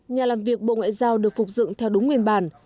nhà làm việc bộ ngoại giao được phục dựng theo đúng nguyên bản